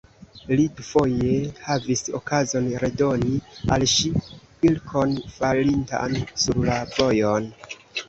Li dufoje havis okazon redoni al ŝi pilkon falintan sur la vojon.